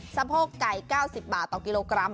สะโพกไก่๙๐บาทต่อกิโลกรัม